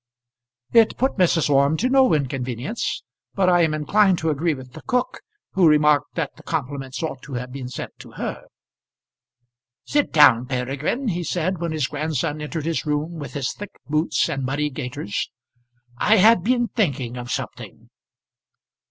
It put Mrs. Orme to no inconvenience; but I am inclined to agree with the cook, who remarked that the compliments ought to have been sent to her. "Sit down, Peregrine," he said, when his grandson entered his room with his thick boots and muddy gaiters. "I have been thinking of something."